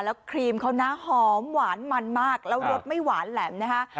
แล้วครีมเขานะหอมหวานมันมากแล้วรสไม่หวานแหลมนะคะ